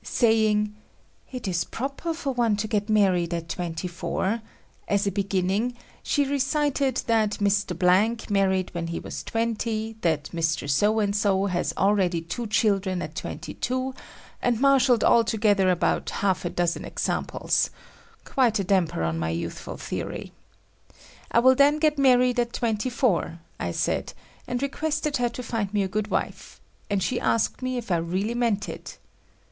Saying "it is proper for one to get married at twenty four" as a beginning, she recited that Mr. Blank married when he was twenty, that Mr. So and So has already two children at twenty two, and marshalled altogether about half a dozen examples,—quite a damper on my youthful theory. I will then get married at twenty four, I said, and requested her to find me a good wife, and she asked me if I really meant it.